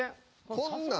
こんなん。